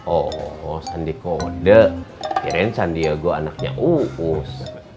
oh sandi kode kirain sandiago anaknya uus